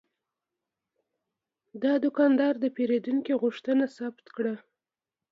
دا دوکاندار د پیرودونکي غوښتنه ثبت کړه.